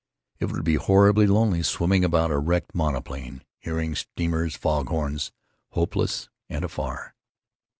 It would be horribly lonely, swimming about a wrecked monoplane, hearing steamers' fog horns, hopeless and afar.